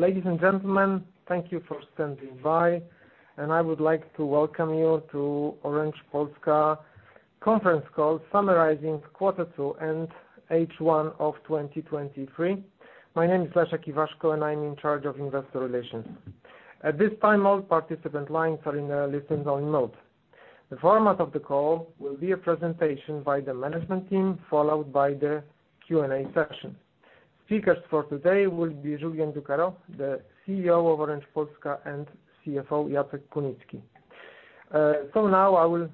Ladies and gentlemen, thank you for standing by, and I would like to welcome you to Orange Polska conference call, summarizing Q2 and H1 of 2023. My name is Leszek Iwaszko, and I'm in charge of investor relations. At this time, all participant lines are in a listen-only mode. The format of the call will be a presentation by the management team, followed by the Q&A session. Speakers for today will be Julien Ducarroz, the CEO of Orange Polska, and CFO, Jacek Kunicki. Now I will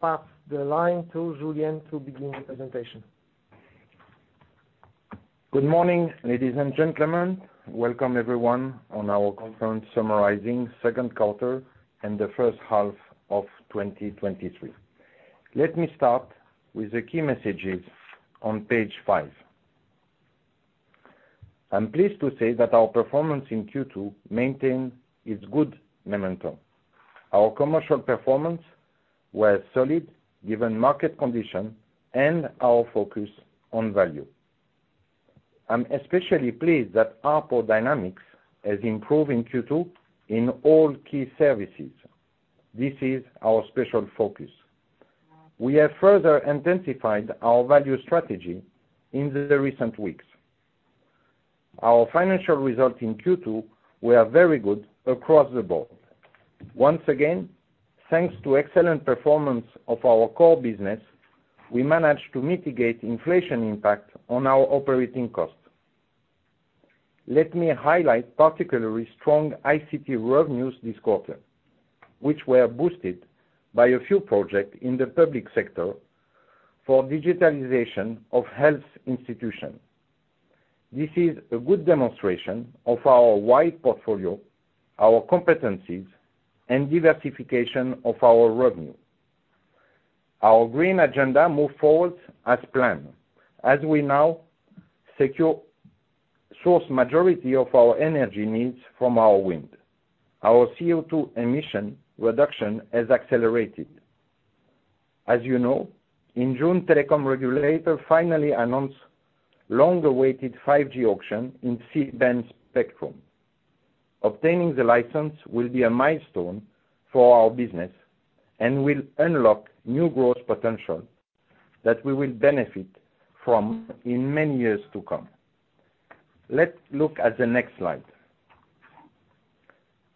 pass the line to Julien to begin the presentation. Good morning, ladies and gentlemen. Welcome everyone, on our conference summarizing second quarter and the first half of 2023. Let me start with the key messages on page five. I'm pleased to say that our performance in Q2 maintained its good momentum. Our commercial performance was solid, given market condition and our focus on value. I'm especially pleased that ARPU dynamics has improved in Q2 in all key services. This is our special focus. We have further intensified our value strategy in the recent weeks. Our financial results in Q2 were very good across the board. Once again, thanks to excellent performance of our core business, we managed to mitigate inflation impact on our operating costs. Let me highlight particularly strong ICT revenues this quarter, which were boosted by a few project in the public sector for digitalization of health institution. This is a good demonstration of our wide portfolio, our competencies, and diversification of our revenue. Our green agenda moved forward as planned, as we now source majority of our energy needs from our wind. Our CO2 emission reduction has accelerated. As you know, in June, telecom regulator finally announced long-awaited 5G auction in C-band spectrum. Obtaining the license will be a milestone for our business and will unlock new growth potential that we will benefit from in many years to come. Let's look at the next slide.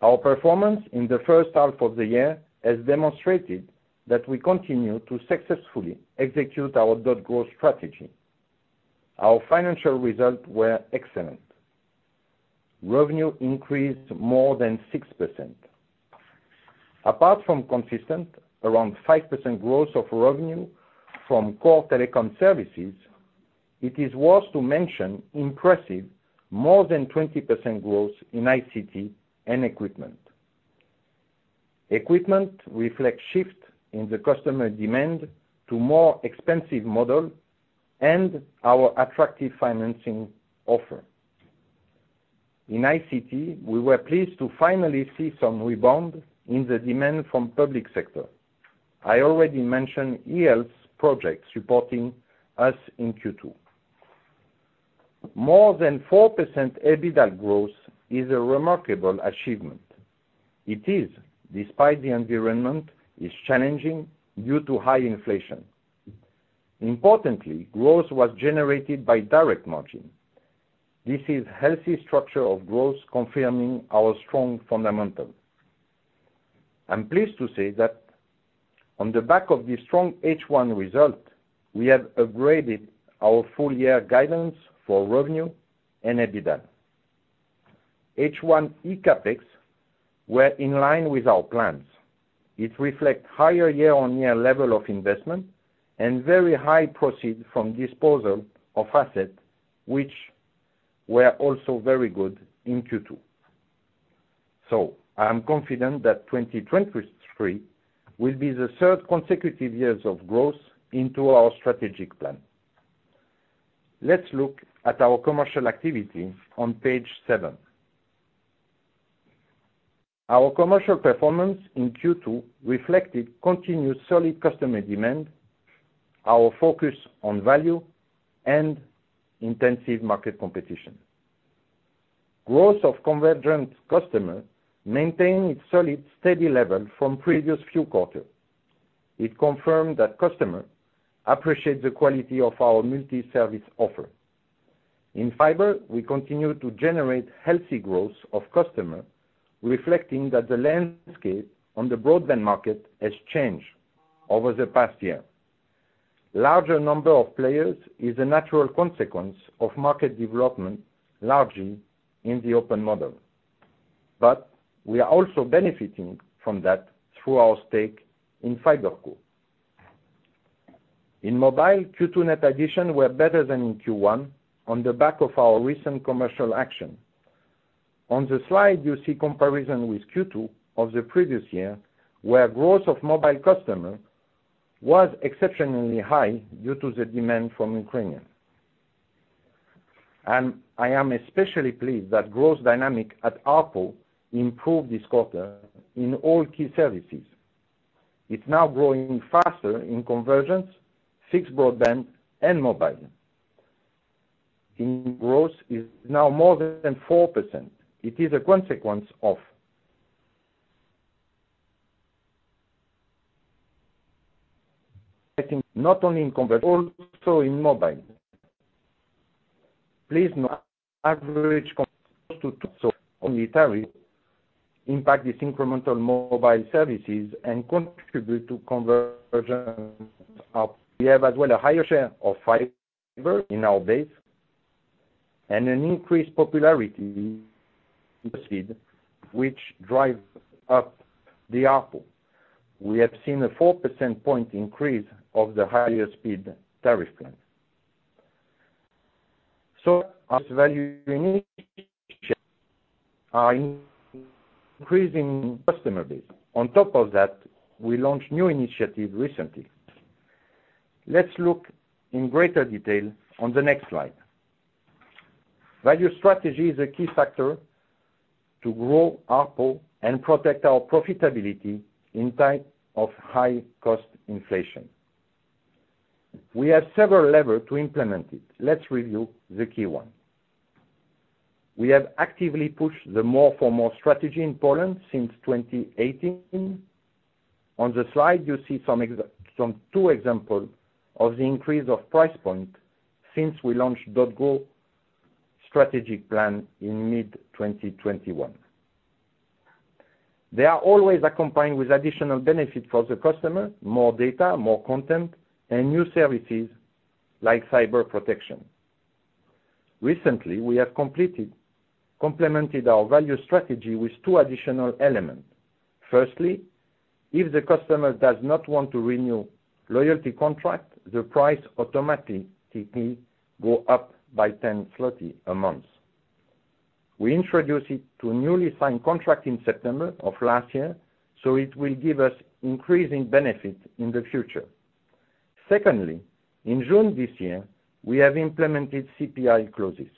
Our performance in H1 has demonstrated that we continue to successfully execute our .Grow strategy. Our financial results were excellent. Revenue increased more than 6%. Apart from consistent, around 5% growth of revenue from core telecom services, it is worth to mention impressive more than 20% growth in ICT and equipment. Equipment reflect shift in the customer demand to more expensive model and our attractive financing offer. In ICT, we were pleased to finally see some rebound in the demand from public sector. I already mentioned eHealth projects supporting us in Q2. More than 4% EBITDAaL growth is a remarkable achievement. It is, despite the environment, is challenging due to high inflation. Importantly, growth was generated by direct margin. This is healthy structure of growth, confirming our strong fundamentals. I'm pleased to say that on the back of the strong H1 result, we have upgraded our full-year guidance for revenue and EBITDAaL. H1 eCapEx were in line with our plans. It reflect higher year-on-year level of investment and very high proceed from disposal of assets, which were also very good in Q2. I am confident that 2023 will be the third consecutive years of growth into our strategic plan. Let's look at our commercial activity on page seven. Our commercial performance in Q2 reflected continued solid customer demand, our focus on value, and intensive market competition. Growth of convergent customer maintained its solid, steady level from previous few quarters. It confirmed that customers appreciate the quality of our multi-service offer. In fibre, we continue to generate healthy growth of customer, reflecting that the landscape on the broadband market has changed over the past year. Larger number of players is a natural consequence of market development, largely in the open model, but we are also benefiting from that through our stake in FiberCo. In mobile, Q2 net addition were better than in Q1 on the back of our recent commercial action. On the slide, you see comparison with Q2 of the previous year, where growth of mobile customer was exceptionally high due to the demand from Ukrainians. I am especially pleased that growth dynamic at ARPU improved this quarter in all key services. It's now growing faster in convergence, fixed broadband, and mobile. In growth, is now more than 4%. It is a consequence of getting not only in convergence, also in mobile. Please note, average cost to only tariff impact this incremental mobile services and contribute to convergence of we have as well, a higher share of fibre in our base and an increased popularity, speed, which drives up the ARPU. We have seen a 4% point increase of the higher speed tariff plan. As value initiative are increasing customer base. On top of that, we launched new initiative recently. Let's look in greater detail on the next slide. Value strategy is a key factor to grow ARPU and protect our profitability in time of high cost inflation. We have several levels to implement it. Let's review the key one. We have actively pushed the more for more strategy in Poland since 2018. On the slide, you see some two example of the increase of price point since we launched .Grow strategic plan in mid-2021. They are always accompanied with additional benefit for the customer, more data, more content, and new services like cyber protection. Recently, we have completed, complemented our value strategy with two additional elements. Firstly, if the customer does not want to renew loyalty contract, the price automatically go up by 10 zlotys a month. We introduced it to a newly signed contract in September of last year. It will give us increasing benefit in the future. Secondly, in June this year, we have implemented CPI clauses.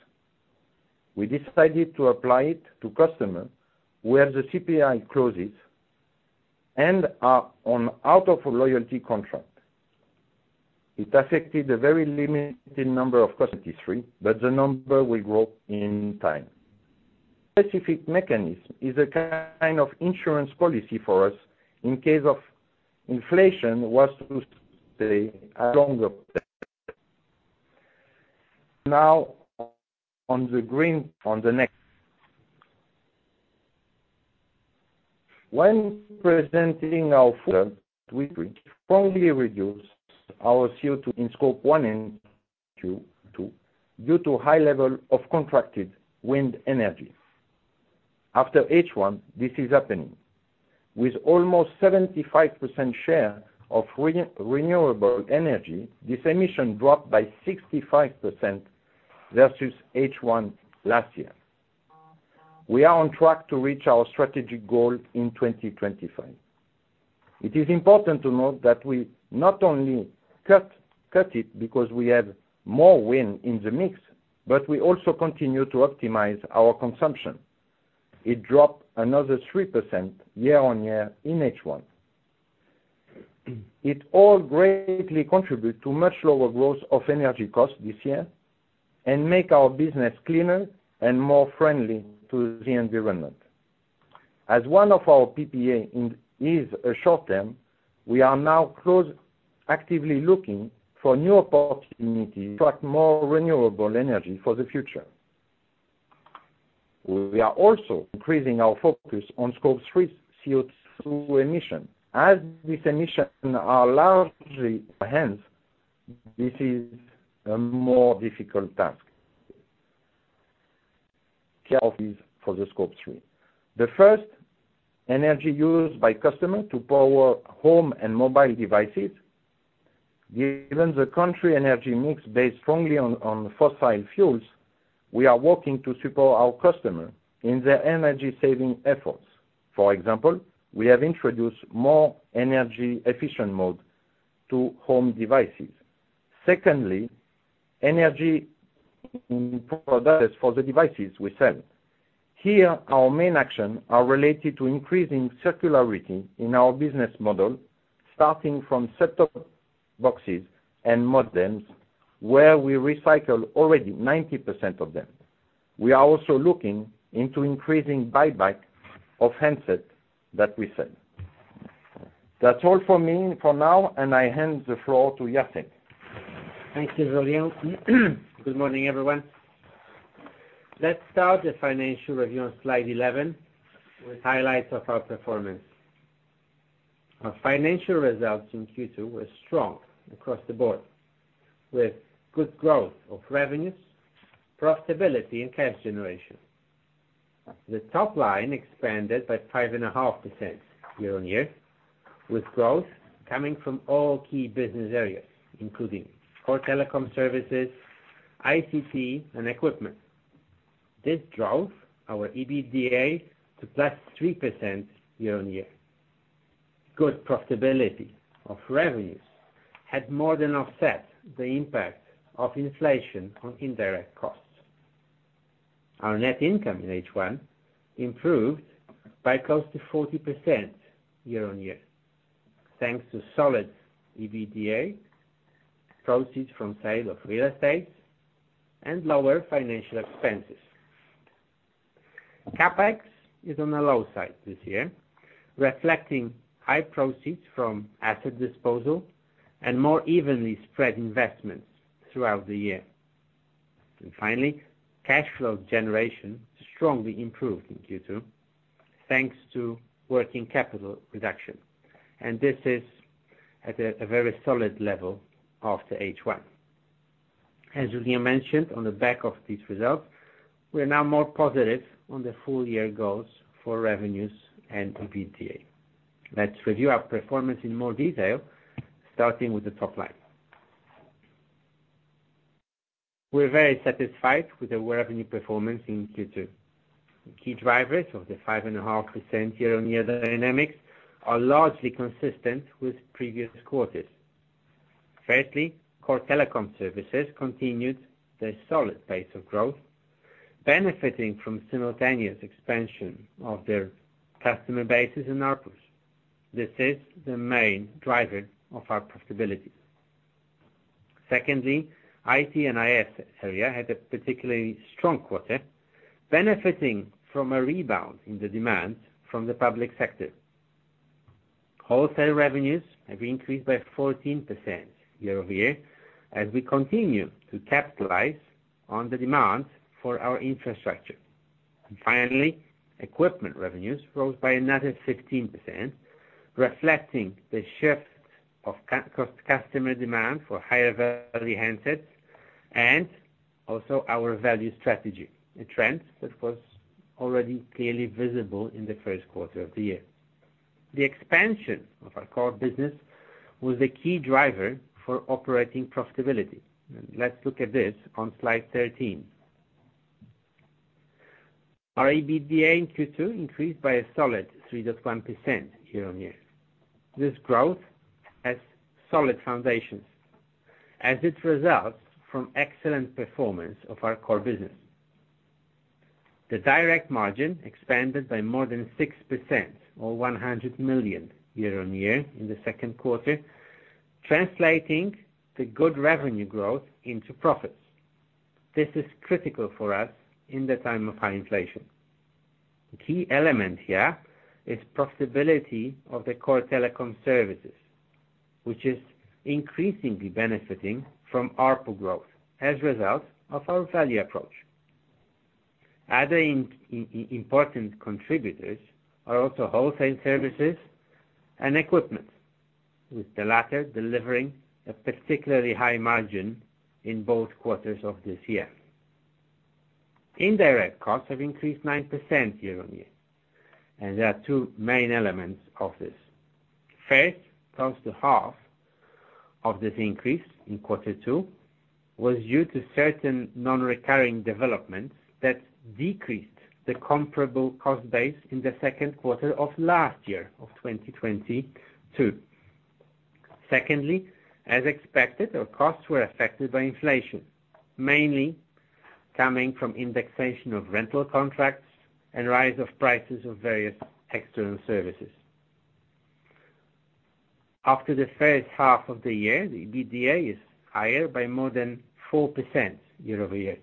We decided to apply it to customer, where the CPI clauses end up on out of a loyalty contract. It affected a very limited number of customers. The number will grow in time. This specific mechanism is a kind of insurance policy for us in case of inflation was to stay longer. On the green, on the next. When presenting our full, we strongly reduce our CO2 in Scope 1 and 2 due to high level of contracted wind energy. After H1, this is happening. With almost 75% share of renewable energy, this emission dropped by 65% versus H1 last year. We are on track to reach our strategic goal in 2025. It is important to note that we not only cut it because we have more wind in the mix, but we also continue to optimize our consumption. It dropped another 3% year-on-year in H1. It all greatly contribute to much lower growth of energy costs this year and make our business cleaner and more friendly to the environment. One of our PPA in is a short term, we are now actively looking for new opportunities to track more renewable energy for the future. We are also increasing our focus on Scope 3 CO2 emission. This emission are largely enhanced, this is a more difficult task for the Scope 3. The first energy used by customer to power home and mobile devices. Given the country energy mix based strongly on fossil fuels, we are working to support our customer in their energy saving efforts. For example, we have introduced more energy efficient mode to home devices. Secondly, energy products for the devices we sell. Here, our main action are related to increasing circularity in our business model, starting from set-top boxes and modems, where we recycle already 90% of them. We are also looking into increasing buyback of handsets that we sell. That's all for me for now, and I hand the floor to Jacek. Thanks, Julian. Good morning, everyone. Let's start the financial review on slide 11 with highlights of our performance. Our financial results in Q2 were strong across the board, with good growth of revenues, profitability and cash generation. The top line expanded by 5.5% year-on-year, with growth coming from all key business areas, including core telecom services, ICT and equipment. This drove our EBITDA to +3% year-on-year. Good profitability of revenues had more than offset the impact of inflation on indirect costs. Our net income in H1 improved by close to 40% year-on-year, thanks to solid EBITDA, proceeds from sale of real estate, and lower financial expenses. CapEx is on the low side this year, reflecting high proceeds from asset disposal and more evenly spread investments throughout the year. Finally, cash flow generation strongly improved in Q2, thanks to working capital reduction, and this is at a very solid level after H1. As Julien mentioned, on the back of these results, we are now more positive on the full-year goals for revenues and EBITDA. Let's review our performance in more detail, starting with the top line. We're very satisfied with the revenue performance in Q2. The key drivers of the 5.5% year-on-year dynamics are largely consistent with previous quarters. Firstly, core telecom services continued their solid pace of growth, benefiting from simultaneous expansion of their customer bases and outputs. This is the main driver of our profitability. Secondly, IT/IS area had a particularly strong quarter, benefiting from a rebound in the demand from the public sector. Wholesale revenues have increased by 14% year-over-year as we continue to capitalize on the demand for our infrastructure. Finally, equipment revenues rose by another 15%, reflecting the shift of customer demand for higher value handsets and also our value strategy, a trend that was already clearly visible in the first quarter of the year. The expansion of our core business was a key driver for operating profitability. Let's look at this on slide 13. Our EBITDA in Q2 increased by a solid 3.1% year-on-year. This growth has solid foundations, as it results from excellent performance of our core business. The direct margin expanded by more than 6% or 100 million year-on-year in the second quarter, translating the good revenue growth into profits. This is critical for us in the time of high inflation. The key element here is profitability of the core telecom services, which is increasingly benefiting from ARPU growth as a result of our value approach. Other important contributors are also wholesale services and equipment, with the latter delivering a particularly high margin in both quarters of this year. Indirect costs have increased 9% year-on-year, and there are two main elements of this. First, close to half of this increase in quarter two was due to certain non-recurring developments that decreased the comparable cost base in the second quarter of last year, of 2022. Secondly, as expected, our costs were affected by inflation, mainly coming from indexation of rental contracts and rise of prices of various external services. After the first half of the year, the EBITDA is higher by more than 4% year-over-year.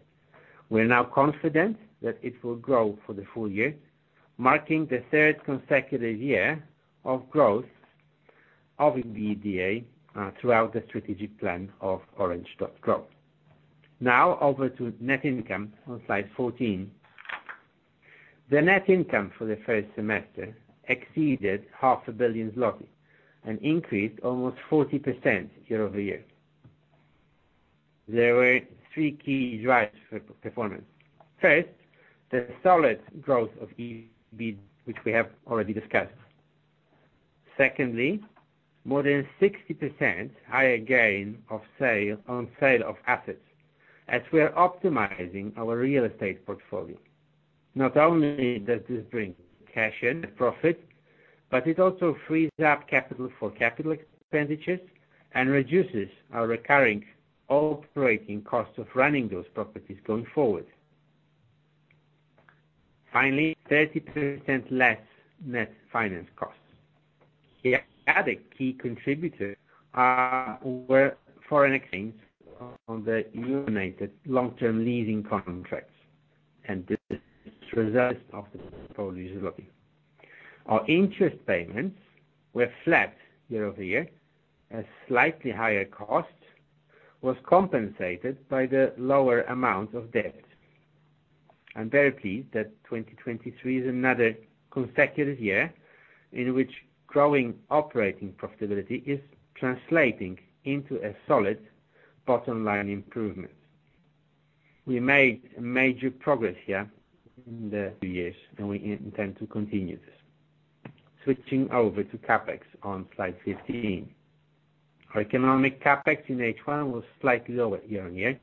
We're now confident that it will grow for the full year, marking the 3rd consecutive year of growth of EBITDA, throughout the strategic plan of Orange .Grow. Over to net income on slide 14. The net income for the 1st semester exceeded half a billion zloty, an increase almost 40% year-over-year. There were three key drivers for performance. First, the solid growth of EBITDA, which we have already discussed. Secondly, more than 60% higher gain of sale, on sale of assets, as we are optimizing our real estate portfolio. Not only does this bring cash in and profit, but it also frees up capital for CapEx and reduces our recurring operating costs of running those properties going forward. Finally, 30% less net finance costs. The other key contributor were foreign exchange on the euro-dominated long-term leasing contracts, this is a result of the strengthening of the Polish zloty. Our interest payments were flat year-over-year, as slightly higher costs was compensated by the lower amount of debt. I'm very pleased that 2023 is another consecutive year in which growing operating profitability is translating into a solid bottom line improvement. We made major progress here in the two years, we intend to continue this. Switching over to CapEx on slide 15. Our economic CapEx in H1 was slightly lower year-on-year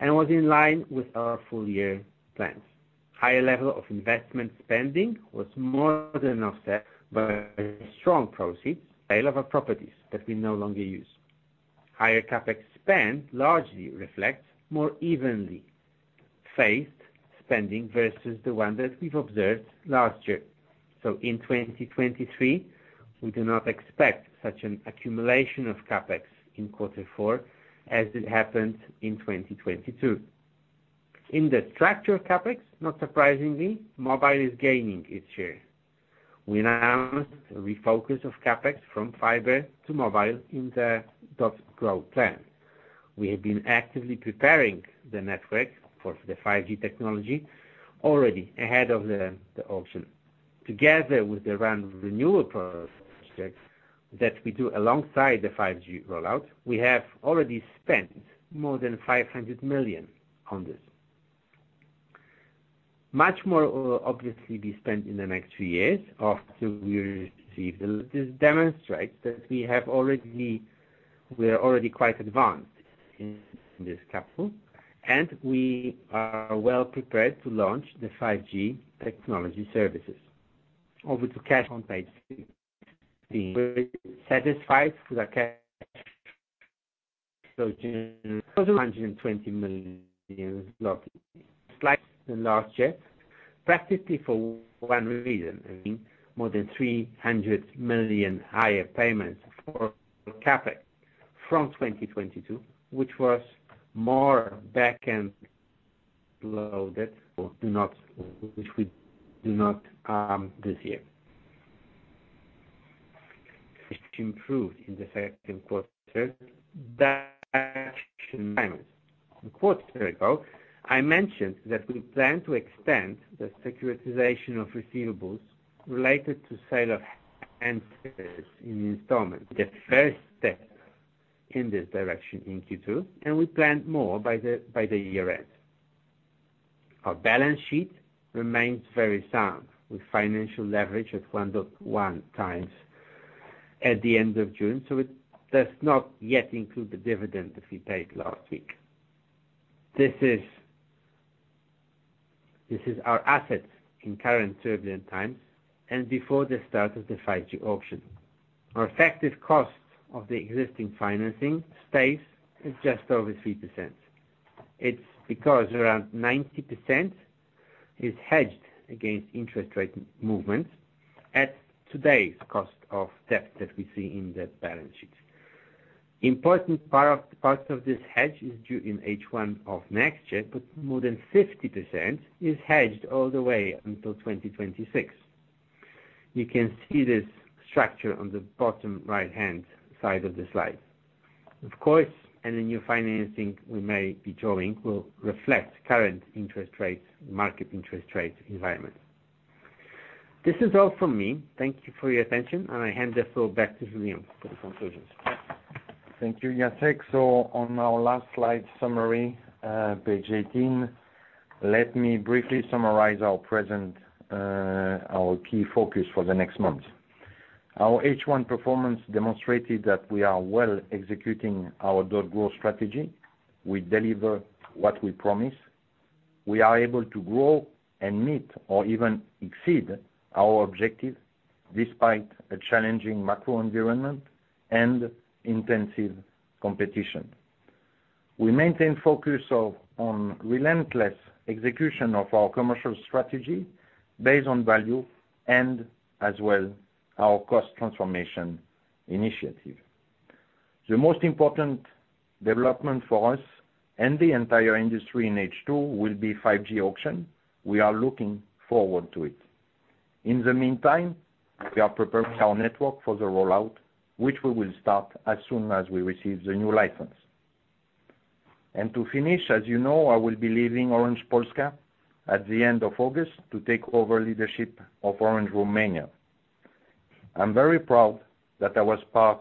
and was in line with our full-year plans. Higher level of investment spending was more than offset by strong proceeds sale of our properties that we no longer use. Higher CapEx spend largely reflects more evenly phased spending versus the one that we've observed last year. In 2023, we do not expect such an accumulation of CapEx in quarter four as it happened in 2022. In the structure of CapEx, not surprisingly, mobile is gaining its share. We announced a refocus of CapEx from fibre to mobile in the .Grow plan. We have been actively preparing the network for the 5G technology already ahead of the auction. Together with the round of renewal projects that we do alongside the 5G rollout, we have already spent more than 500 million on this. Much more will obviously be spent in the next three years after we receive. This demonstrates that we are already quite advanced in this capital, and we are well prepared to launch the 5G technology services. Over to cash on page 16. We're satisfied with our cash, it was PLN 420 million, slightly than last year, practically for one reason, I mean, more than 300 million higher payments for CapEx from 2022, which was more back-end loaded, which we do not this year. It improved in the second quarter that payment. A quarter ago, I mentioned that we plan to extend the securitization of receivables related to sale of and in installments. The first step in this direction in Q2, we plan more by the year end. Our balance sheet remains very sound, with financial leverage at 1.1x at the end of June, it does not yet include the dividend that we paid last week. This is our assets in current turbulent times and before the start of the 5G auction. Our effective cost of the existing financing space is just over 3%. It's because around 90% is hedged against interest rate movements at today's cost of debt that we see in the balance sheet. Important part of this hedge is due in H1 of next year, but more than 50% is hedged all the way until 2026. You can see this structure on the bottom right-hand side of the slide. Of course, any new financing we may be drawing will reflect current interest rates, market interest rates environment. This is all from me. Thank you for your attention, and I hand the floor back to Julien for the conclusions. Thank you, Jacek. On our last slide summary, page 18, let me briefly summarize our key focus for the next months. Our H1 performance demonstrated that we are well executing our .Grow strategy. We deliver what we promise. We are able to grow and meet or even exceed our objective, despite a challenging macro environment and intensive competition. We maintain focus on relentless execution of our commercial strategy based on value and as well, our cost transformation initiative. The most important development for us and the entire industry in H2 will be 5G auction. We are looking forward to it. In the meantime, we are preparing our network for the rollout, which we will start as soon as we receive the new license. To finish, as you know, I will be leaving Orange Polska at the end of August to take over leadership of Orange Romania. I'm very proud that I was part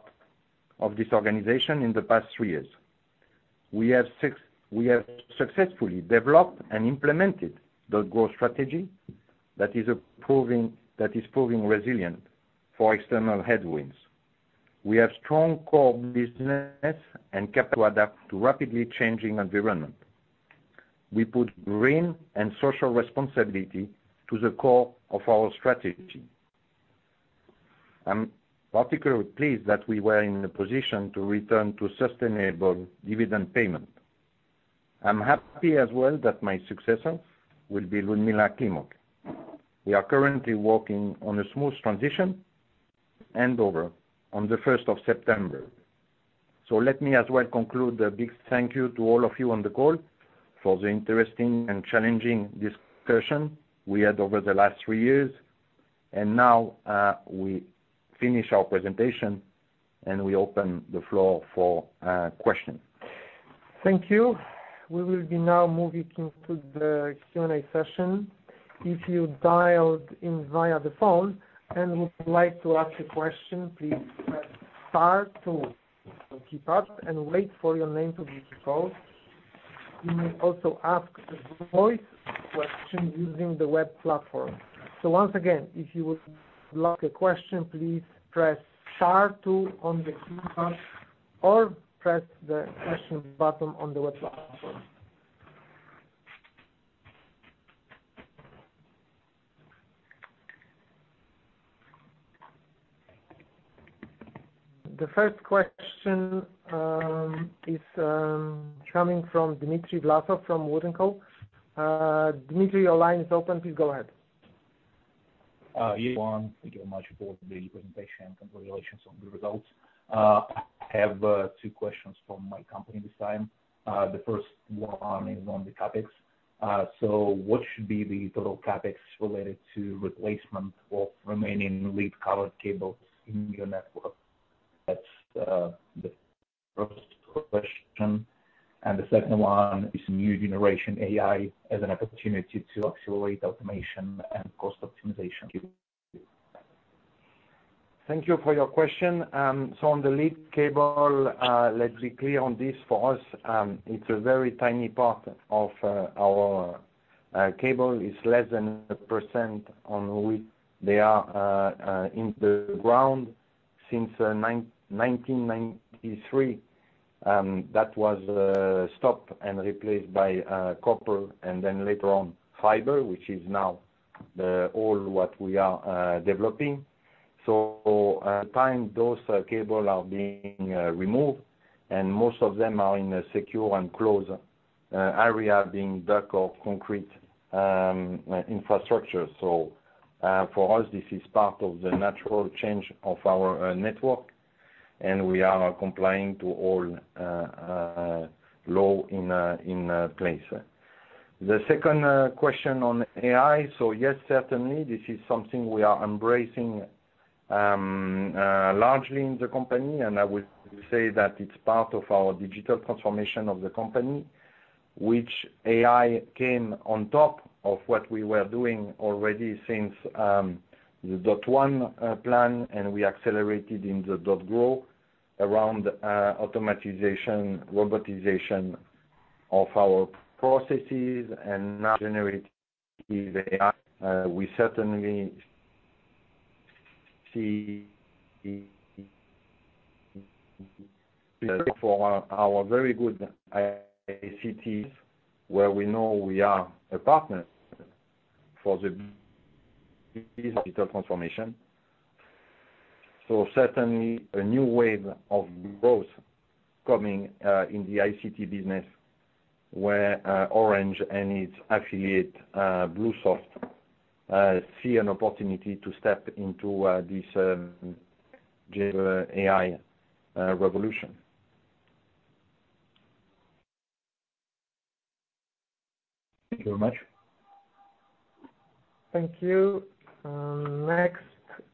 of this organization in the past three years. We have successfully developed and implemented the growth strategy that is approving, that is proving resilient for external headwinds. We have strong core business and capital to adapt to rapidly changing environment. We put green and social responsibility to the core of our strategy. I'm particularly pleased that we were in a position to return to sustainable dividend payment. I'm happy as well that my successor will be Liudmila Climoc. We are currently working on a smooth transition and over on the 1st of September. Let me as well conclude a big thank you to all of you on the call for the interesting and challenging discussion we had over the last three years. Now, we finish our presentation, and we open the floor for question. Thank you. We will be now moving into the Q&A session. If you dialed in via the phone and would like to ask a question, please press star two on your keypad and wait for your name to be called. You may also ask a voice question using the web platform. Once again, if you would like a question, please press star two on the keypad or press the question button on the web platform. The first question is coming from Dmitry Vlasov from WOOD & Company. Dmitry, your line is open. Please go ahead. Yeah, one, thank you very much for the presentation and congratulations on the results. I have two questions from my company this time. The first one is on the CapEx. What should be the total CapEx related to replacement of remaining lead-covered cables in your network? That's the first question. The second one, is new GenAI as an opportunity to accelerate automation and cost optimization. Thank you for your question. On the lead cable, let's be clear on this. For us, it's a very tiny part of our cable, is less than 1% on which they are in the ground. Since 1993, that was stopped and replaced by copper, and then later on, fibre, which is now the all what we are developing. At time, those cable are being removed, and most of them are in a secure and closed area, being duct or concrete infrastructure. For us, this is part of the natural change of our network, and we are complying to all law in place. The second question on AI. Yes, certainly, this is something we are embracing largely in the company, and I would say that it's part of our digital transformation of the company, which AI came on top of what we were doing already since the Orange.one plan, and we accelerated in the .Grow around automatization, robotization of our processes and now generate AI. We certainly see for our very good ICTs, where we know we are a partner for the digital transformation. Certainly, a new wave of growth coming in the ICT business, where Orange and its affiliate BlueSoft see an opportunity to step into this GenAI revolution. Thank you very much. Thank you. next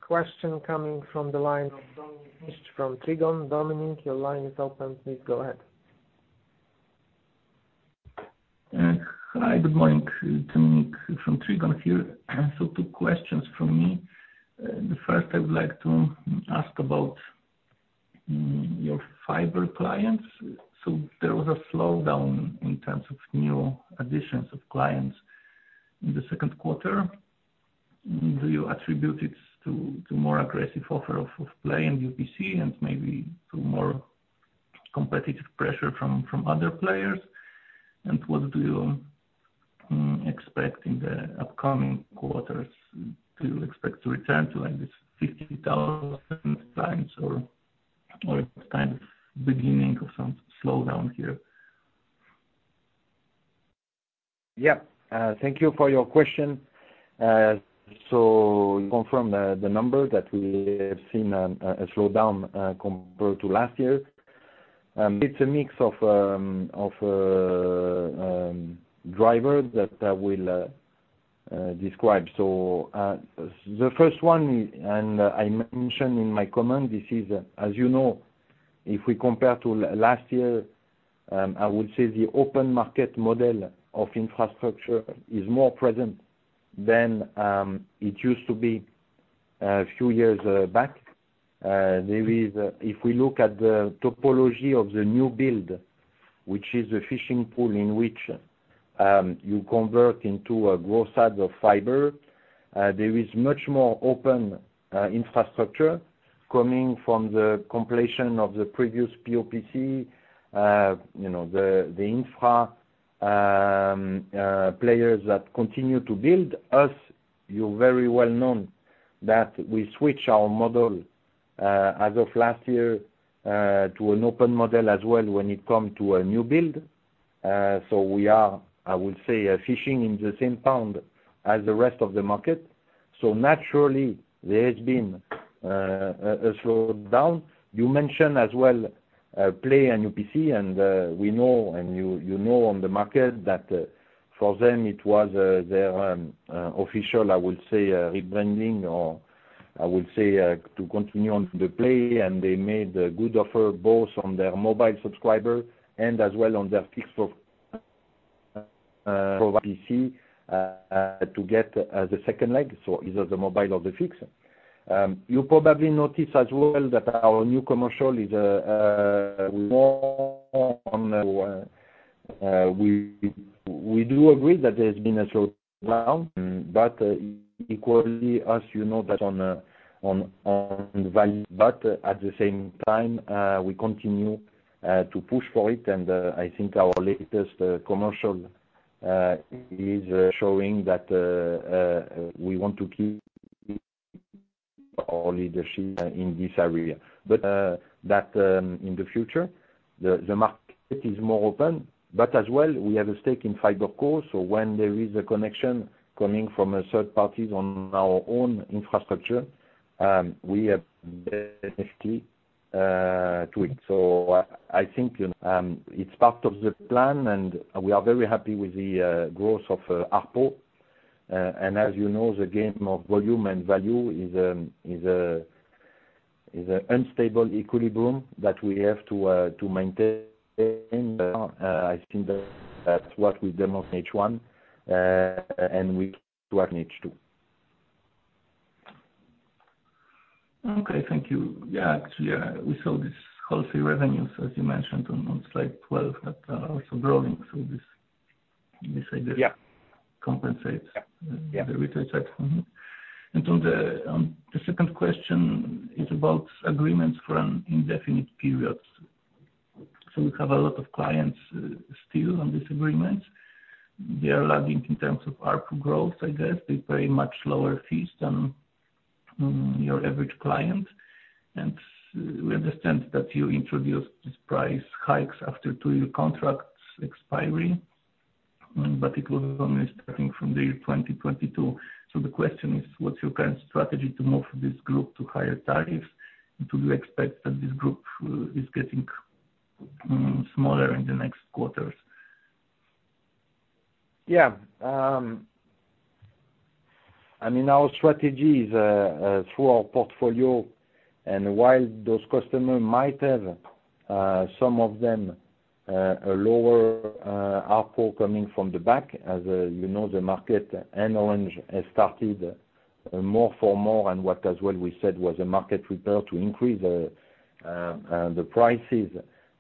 question coming from the line of Dominik Niszcz from Trigon. Dominik, your line is open. Please go ahead. Hi, good morning. Dominik from Trigon here. 2 questions from me. The first I would like to ask about your fibre clients. There was a slowdown in terms of new additions of clients in the second quarter. Do you attribute it to more aggressive offer of Play and UPC, and maybe to more competitive pressure from other players? What do you expect in the upcoming quarters? Do you expect to return to, like, this 50,000 clients or it's kind of beginning of some slowdown here? Yeah, thank you for your question. Confirm the number that we have seen a slowdown compared to last year. It's a mix of drivers that I will describe. The first one, and I mentioned in my comment, this is, as you know, if we compare to last year, I would say the open market model of infrastructure is more present than it used to be a few years back. There is, if we look at the topology of the new build, which is a fishing pool in which you convert into a growth side of fibre, there is much more open infrastructure coming from the completion of the previous POPC, you know, the infra players that continue to build. Us, you're very well known that we switch our model as of last year to an open model as well when it come to a new build. We are, I would say, fishing in the same pond as the rest of the market, so naturally there has been a slowdown. You mentioned as well, Play and UPC, and we know, and you know, on the market that for them, it was their official, I would say, rebranding, or I would say, to continue on to the Play. They made a good offer, both on their mobile subscriber and as well on their fixed of UPC to get the second leg, so either the mobile or the fixed. You probably notice as well that our new commercial is more on. We do agree that there's been a slowdown, equally, as you know, that on, on value. At the same time, we continue to push for it, and I think our latest commercial is showing that we want to keep our leadership in this area. That in the future, the market is more open. As well, we have a stake in FiberCo, so when there is a connection coming from a third party on our own infrastructure, we have the ability to it. I think it's part of the plan, and we are very happy with the growth of ARPU. As you know, the game of volume and value is an unstable equilibrium that we have to maintain. I think that's what we've done on H1, and we to work on H2. Okay, thank you. Yeah, actually, we saw this healthy revenues, as you mentioned on slide 12, that are also growing through this idea. Yeah. Compensate— Yeah The retail side. On the second question is about agreements for an indefinite period. We have a lot of clients still on this agreement. They are lagging in terms of ARPU growth, I guess. They pay much lower fees than your average client. We understand that you introduced this price hikes after two-year contracts expiry, but it was only starting from the year 2022. The question is: What's your current strategy to move this group to higher tariffs? Do you expect that this group is getting smaller in the next quarters? I mean, our strategy is through our portfolio, while those customers might have some of them a lower ARPU coming from the back, as you know, the market and Orange has started more for more, and what as well we said was the market prepared to increase the prices.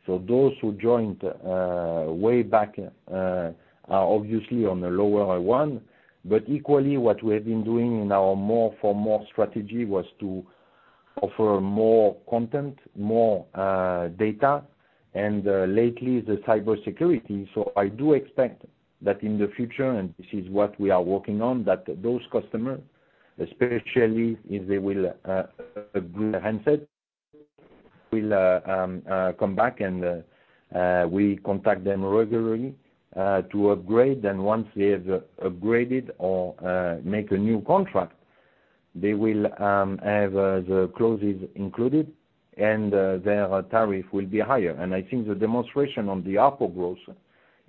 Those who joined way back are obviously on a lower one. Equally, what we have been doing in our more for more strategy was to offer more content, more data, and lately, the cybersecurity. I do expect that in the future, and this is what we are working on, that those customers, especially if they will upgrade their handset, will come back and we contact them regularly to upgrade. Once they have upgraded or make a new contract, they will have the clauses included, and their tariff will be higher. I think the demonstration on the ARPU growth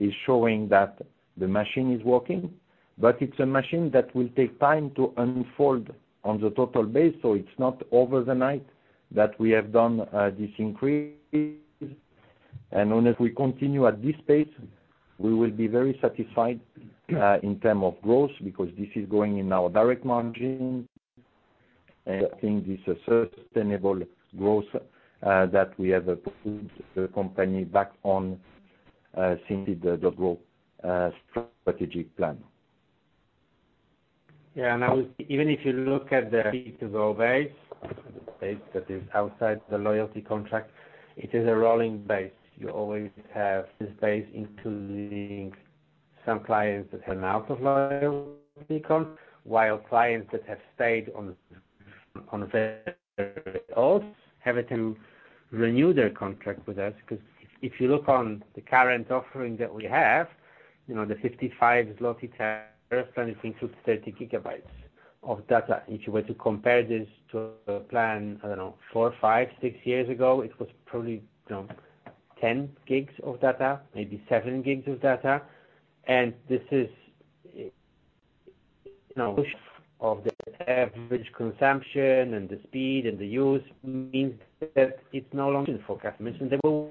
is showing that the machine is working, but it's a machine that will take time to unfold on the total base. It's not over the night that we have done this increase. Unless we continue at this pace, we will be very satisfied in term of growth, because this is going in our direct margin, and I think this is a sustainable growth that we have put the company back on since the double strategic plan. Yeah, even if you look at the free to go base, the base that is outside the loyalty contract, it is a rolling base. You always have this base including some clients that are out of loyalty con, while clients that have stayed on their own, having to renew their contract with us. 'Cause if you look on the current offering that we have, you know, the 55 zloty PLN tariff plan, it includes 30 GB of data. If you were to compare this to a plan, I don't know, four, five, six years ago, it was probably, you know, 10 GB of data, maybe 7 GB of data. This is, you know, of the average consumption and the speed and the use means that it's no longer for customers, and they will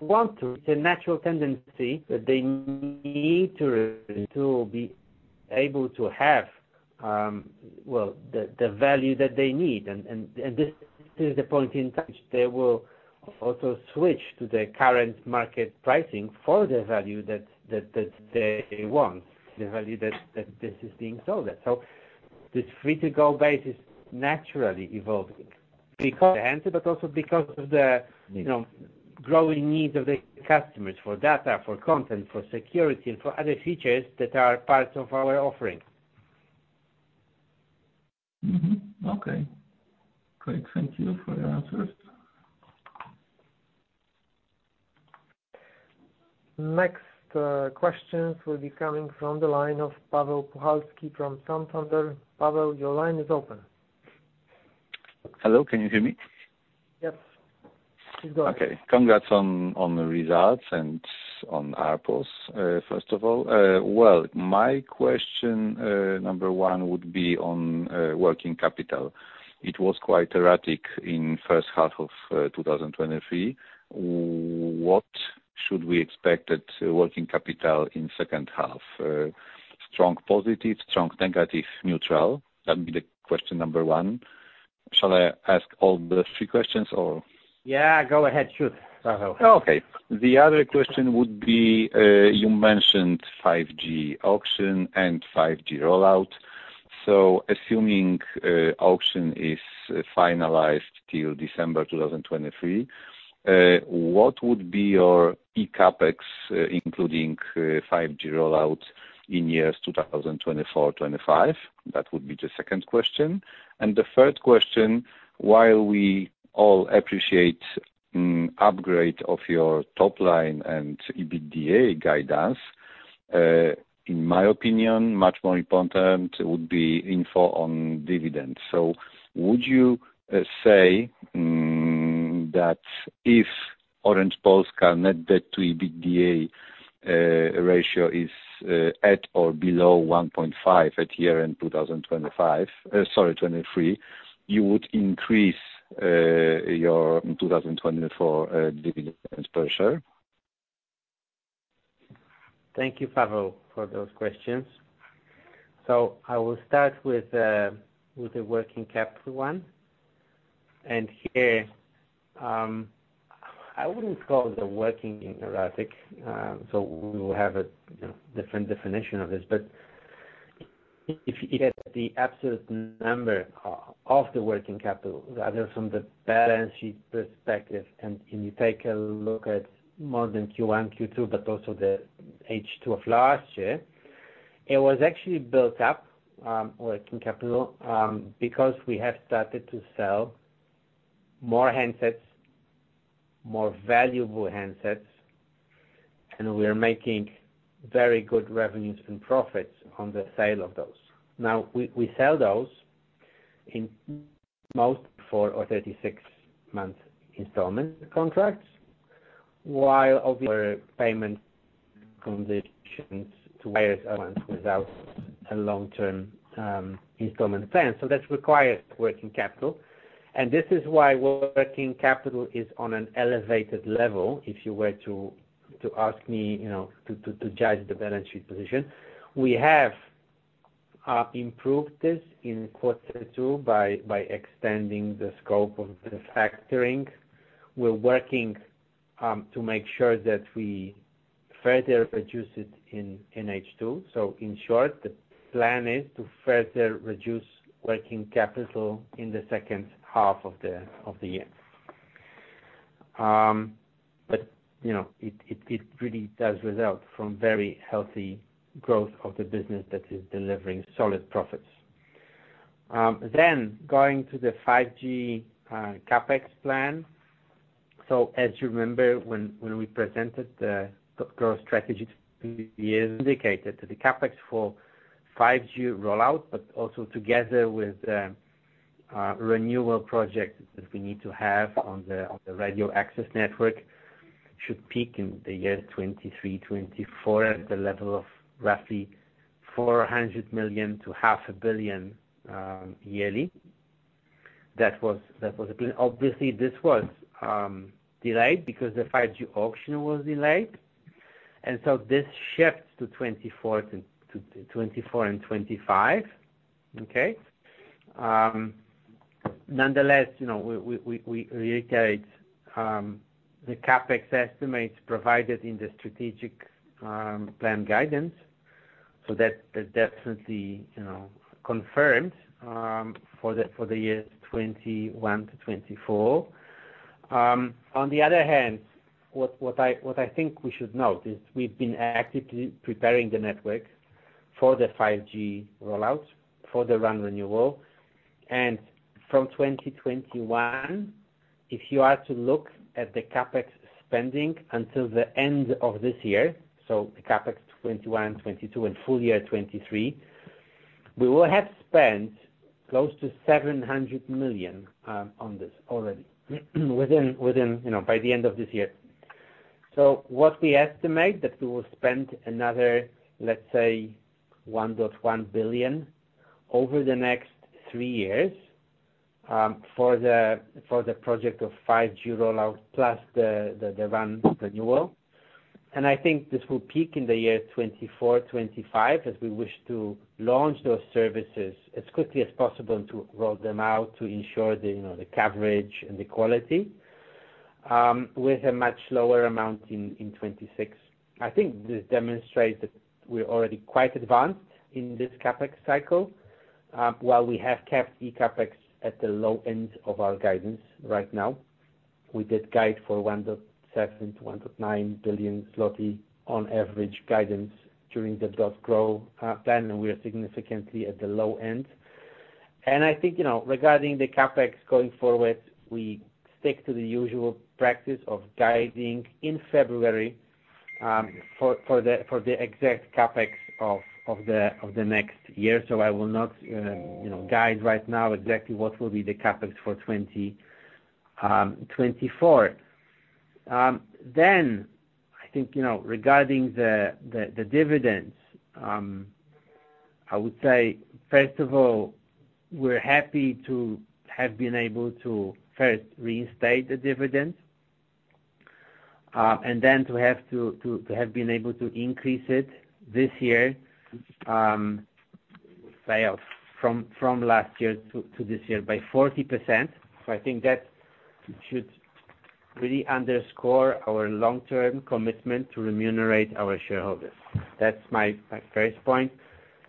want to. It's a natural tendency that they need to be able to have, well, the value that they need. This is the point in touch. They will also switch to the current market pricing for the value that they want, the value that this is being sold at. This free to go base is naturally evolving because of the handset, but also because of the, you know, growing needs of the customers for data, for content, for security, and for other features that are part of our offering. Okay. Great. Thank you for your answers. Next, questions will be coming from the line of Paweł Puchalski from Santander. Paweł, your line is open. Hello, can you hear me? Yes. Please go ahead. Okay. Congrats on the results and on ARPUs, first of all. Well, my question, number one would be on working capital. It was quite erratic in first half of 2023. What should we expect at working capital in second half? Strong positive, strong negative, neutral? That'd be the question number one. Shall I ask all the three questions or? Yeah, go ahead. Shoot, Paweł. Okay. The other question would be, you mentioned 5G auction and 5G rollout. Assuming auction is finalized till December 2023, what would be your eCapEx, including 5G rollout in years 2024, 2025? That would be the second question. The third question, while we all appreciate upgrade of your top line and EBITDA guidance, in my opinion, much more important would be info on dividends. Would you say that if Orange Polska net debt-to-EBITDA ratio is at or below 1.5x at year end 2025, sorry, 2023, you would increase your 2024 dividend per share? Thank you, Paweł, for those questions. I will start with the working capital one. Here, I wouldn't call it the working erratic, so we will have a, you know, different definition of this. If the absolute number of the working capital, rather from the balance sheet perspective, and you take a look at more than Q1, Q2, but also the H2 of last year, it was actually built up working capital, because we have started to sell more handsets, more valuable handsets, and we are making very good revenues and profits on the sale of those. We sell those in most for a 36-month installment contracts, while other payment conditions to buyers without a long-term installment plan. That requires working capital. This is why working capital is on an elevated level, if you were to ask me, you know, to judge the balance sheet position. We have improved this in quarter two by extending the scope of the factoring. We're working to make sure that we further reduce it in H2. In short, the plan is to further reduce working capital in the second half of the year. You know, it really does result from very healthy growth of the business that is delivering solid profits. Going to the 5G CapEx plan. As you remember, when we presented the growth strategy two years indicated that the CapEx for 5G rollout, but also together with renewal project that we need to have on the radio access network, should peak in the year 2023, 2024, at the level of roughly 400 million to 0.5 billion yearly. That was obviously, this was delayed because the 5G auction was delayed, this shifts to 2024 and 2025. Okay. Nonetheless, you know, we reiterate the CapEx estimates provided in the strategic plan guidance, that is definitely, you know, confirmed for the years 2021-2024. On the other hand, what I think we should note is we've been actively preparing the network for the 5G rollout, for the RAN renewal. From 2021, if you are to look at the CapEx spending until the end of this year, so the CapEx 2021, 2022 and full year 2023, we will have spent close to 700 million on this already, within, you know, by the end of this year. What we estimate that we will spend another, let's say, 1.1 billion over the next three years for the project of 5G rollout plus the RAN renewal. I think this will peak in the year 2024, 2025, as we wish to launch those services as quickly as possible and to roll them out to ensure the, you know, the coverage and the quality with a much lower amount in 2026. I think this demonstrates that we're already quite advanced in this CapEx cycle, while we have kept eCapEx at the low end of our guidance right now. We did guide for 1.7 billion-1.9 billion zloty on average guidance during the .Grow plan, we are significantly at the low end. I think, you know, regarding the CapEx going forward, we stick to the usual practice of guiding in February for the exact CapEx of the next year. I will not, you know, guide right now exactly what will be the CapEx for 2024. I think, you know, regarding the dividends, I would say, first of all, we're happy to have been able to first reinstate the dividend and then to have been able to increase it this year, from last year to this year by 40%. I think that really underscore our long-term commitment to remunerate our shareholders. That's my first point.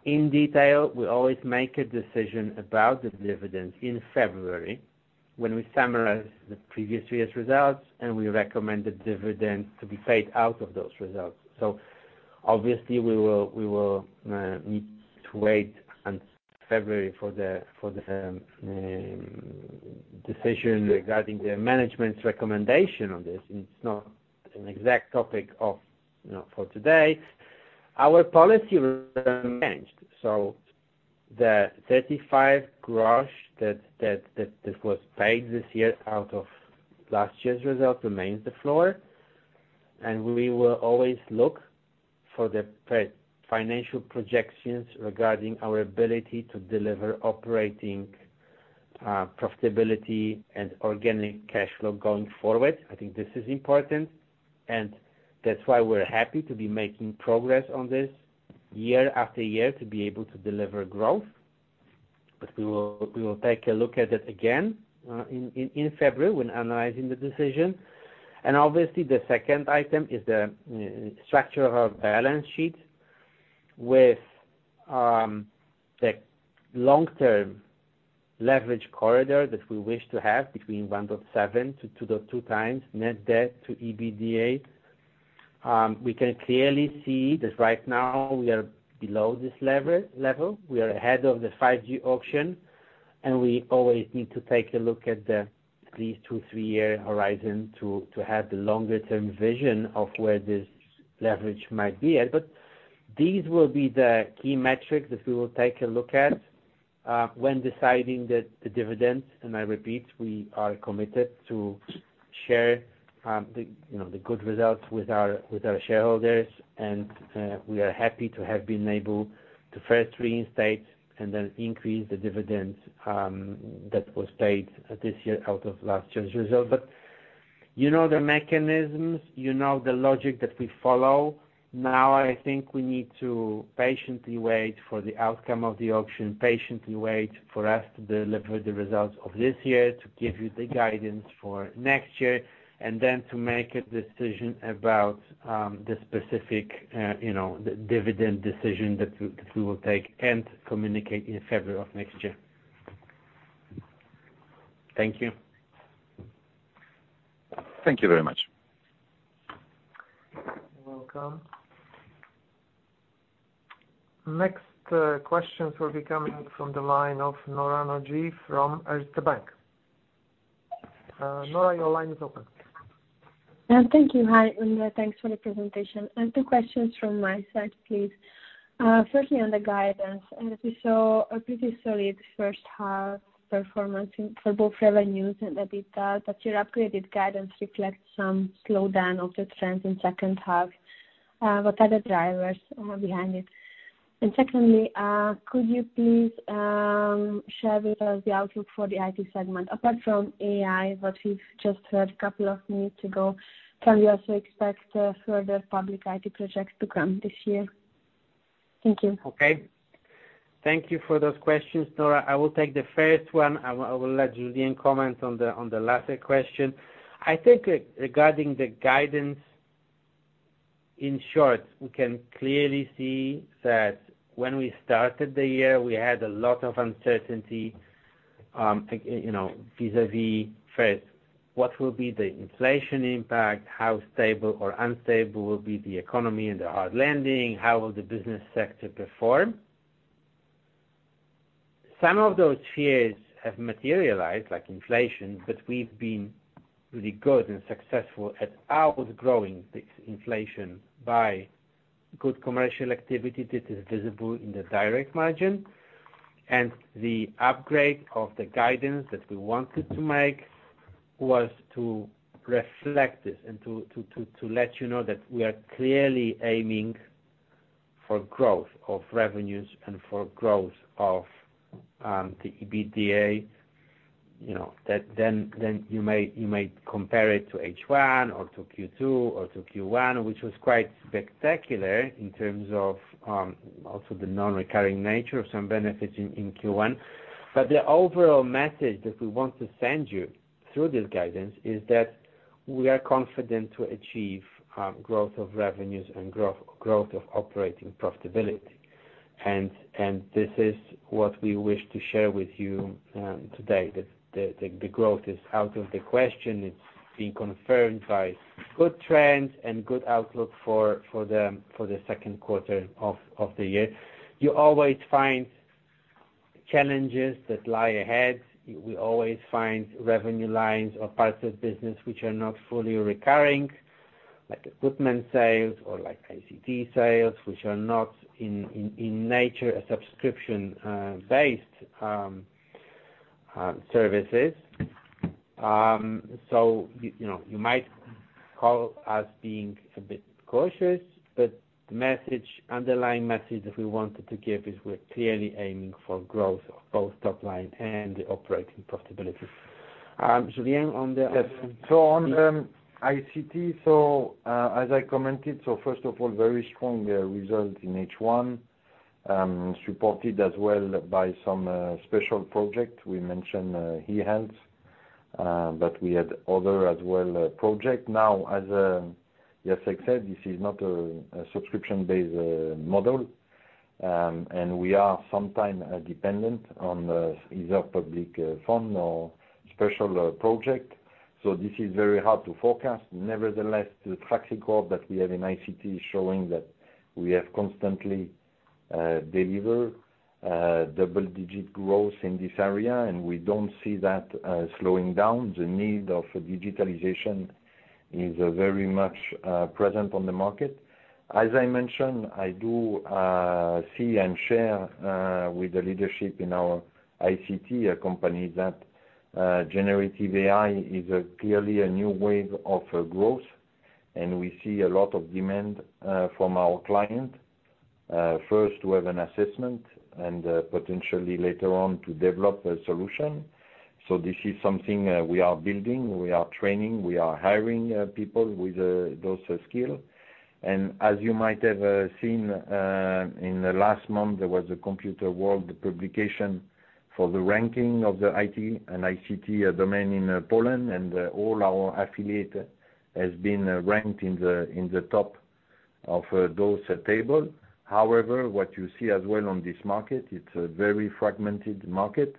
In detail, we always make a decision about the dividend in February, when we summarize the previous year's results, and we recommend the dividend to be paid out of those results. Obviously, we will need to wait until February for the decision regarding the management's recommendation on this. It's not an exact topic of, you know, for today. Our policy remains unchanged. The 0.35 gross per share that was paid this year out of last year's result remains the floor. We will always look for the financial projections regarding our ability to deliver operating profitability and organic cash flow going forward. I think this is important, and that's why we're happy to be making progress on this year after year, to be able to deliver growth. We will take a look at it again in February when analyzing the decision. Obviously, the second item is the structure of our balance sheet with the long-term leverage corridor that we wish to have between 1.7x to 2.2x net debt-to-EBITDA. We can clearly see that right now we are below this level. We are ahead of the 5G auction, and we always need to take a look at the at least two-, three-year horizon to have the longer term vision of where this leverage might be at. These will be the key metrics that we will take a look at when deciding the dividend. I repeat, we are committed to share, you know, the good results with our shareholders. We are happy to have been able to first reinstate and then increase the dividend that was paid this year out of last year's result. You know the mechanisms, you know the logic that we follow. Now, I think we need to patiently wait for the outcome of the auction, patiently wait for us to deliver the results of this year, to give you the guidance for next year, and then to make a decision about the specific, you know, the dividend decision that we will take and communicate in February of next year. Thank you. Thank you very much. You're welcome. Next, questions will be coming from the line of Nora Nagy from Erste Bank. Nora, your line is open. Thank you. Hi, thanks for the presentation. I have two questions from my side, please. Firstly, on the guidance, we saw a pretty solid first half performance for both revenues and EBITDA, your upgraded guidance reflects some slowdown of the trends in second half. What are the drivers behind it? Secondly, could you please share with us the outlook for the IT segment, apart from AI, what we've just heard a couple of minutes ago? Can we also expect further public IT projects to come this year? Thank you. Okay. Thank you for those questions, Nora. I will take the first one. I will let Julien comment on the last question. I think regarding the guidance, in short, we can clearly see that when we started the year, we had a lot of uncertainty, you know, vis-a-vis, first, what will be the inflation impact? How stable or unstable will be the economy and the hard landing? How will the business sector perform? Some of those fears have materialized, like inflation, but we've been really good and successful at outgrowing this inflation by good commercial activity that is visible in the direct margin. The upgrade of the guidance that we wanted to make was to reflect this and to let you know that we are clearly aiming for growth of revenues and for growth of the EBITDA. You know, that then you may, you may compare it to H1 or to Q2 or to Q1, which was quite spectacular in terms of also the non-recurring nature of some benefits in Q1. The overall message that we want to send you through this guidance is that we are confident to achieve growth of revenues and growth of operating profitability. This is what we wish to share with you today, that the growth is out of the question. It's being confirmed by good trends and good outlook for the second quarter of the year. You always find challenges that lie ahead. You will always find revenue lines or parts of the business which are not fully recurring, like equipment sales or like ICT sales, which are not in nature, a subscription based services. You know, you might call us being a bit cautious, but the message, underlying message that we wanted to give is we're clearly aiming for growth of both top line and the operating profitability. Julien, on the— Yes. On the ICT, so, as I commented, so first of all, very strong result in H1. Supported as well by some special project. We mentioned eHealth, but we had other as well project. Now, as Jacek said, this is not a subscription-based model. We are sometime dependent on either public fund or special project, so this is very hard to forecast. Nevertheless, the track record that we have in ICT is showing that we have constantly deliver double-digit growth in this area, and we don't see that slowing down. The need of digitalization is very much present on the market. As I mentioned, I do see and share with the leadership in our ICT company, that GenAI is a clearly a new wave of growth, and we see a lot of demand from our client. First, we have an assessment, and potentially later on to develop a solution. This is something we are building, we are training, we are hiring people with those skill. As you might have seen in the last month, there was a Computerworld publication for the ranking of the IT and ICT domain in Poland, and all our affiliate has been ranked in the top of those table. However, what you see as well on this market, it's a very fragmented market,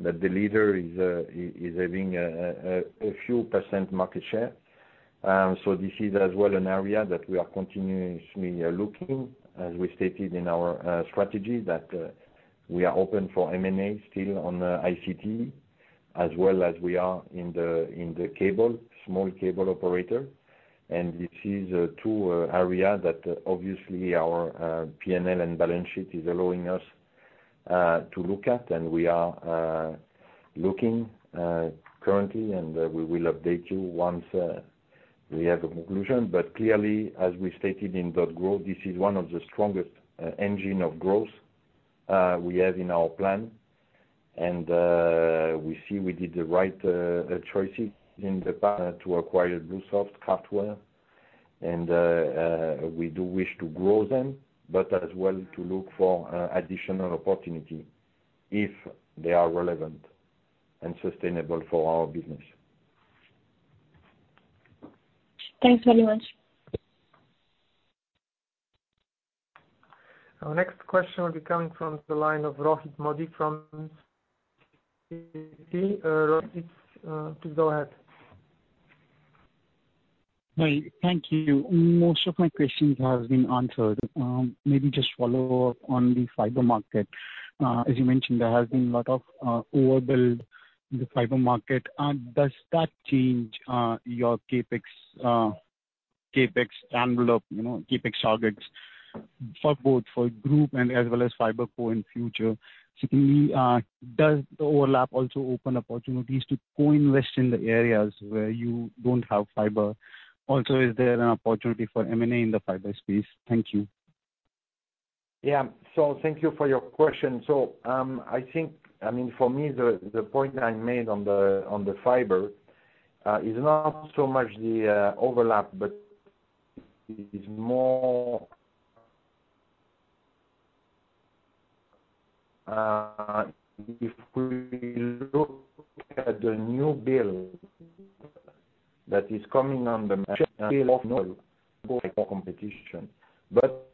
that the leader is having a few percent market share. This is as well an area that we are continuously looking, as we stated in our strategy, that we are open for M&A still on ICT, as well as we are in the, in the cable, small cable operator. This is two area that obviously our P&L and balance sheet is allowing us to look at. We are looking currently, and we will update you once we have a conclusion. Clearly, as we stated in .Grow, this is one of the strongest engine of growth we have in our plan. We see we did the right choices in the past to acquire BlueSoft Craftware. We do wish to grow them, but as well, to look for additional opportunity if they are relevant and sustainable for our business. Thanks very much. Our next question will be coming from the line of Rohit Modi from Citi, please go ahead. Hi, thank you. Most of my questions have been answered. Maybe just follow up on the fibre market? As you mentioned, there has been a lot of overbuild in the fibre market. Does that change your CapEx envelope, you know, CapEx targets for both for group and as well as FiberCo in future? Secondly, does the overlap also open opportunities to co-invest in the areas where you don't have fibre? Also, is there an opportunity for M&A in the fibre space? Thank you. Yeah. Thank you for your question. I think, I mean, for me, the point I made on the fibre is not so much the overlap, but it's more if we look at the new build that is coming on the competition, but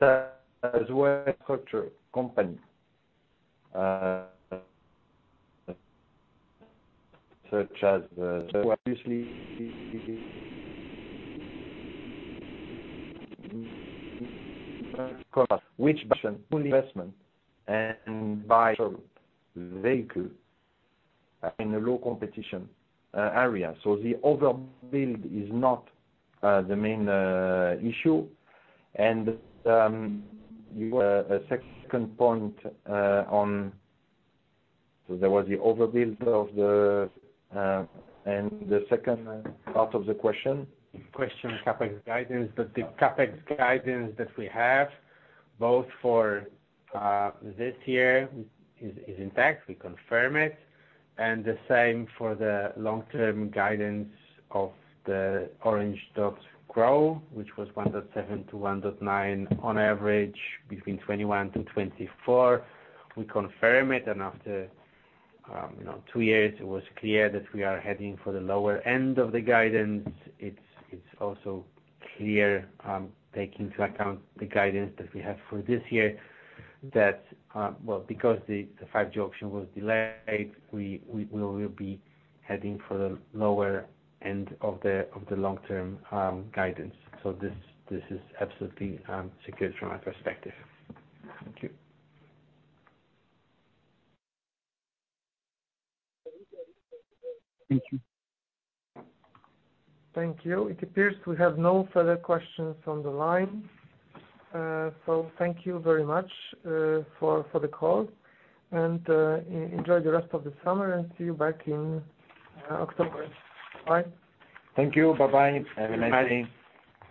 as well company such as obviously, which investment and by vehicle are in a low competition area. The overbuild is not the main issue. You were a second point on, so there was the overbuild of the—the second part of the question? Question, CapEx guidance. The CapEx guidance that we have, both for this year is intact. We confirm it. The same for the long-term guidance of the .Grow, which was 1.7x to 1.9x on average, between 2021 to 2024. We confirm it, after, you know, two years, it was clear that we are heading for the lower end of the guidance. It's also clear, taking into account the guidance that we have for this year, that, well, because the 5G auction was delayed, we will be heading for the lower end of the long-term guidance. This is absolutely secure from my perspective. Thank you. Thank you. Thank you. It appears we have no further questions on the line. Thank you very much for the call, and enjoy the rest of the summer, and see you back in October. Bye. Thank you. Bye-bye. Have a nice day.